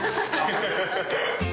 ハハハッ。